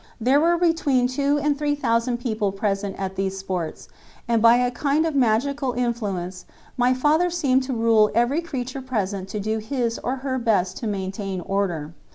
There were between two and three thousand people present at these sports, and by a kind of magical influence, my father seemed to rule every creature present to do his or her best to maintain order.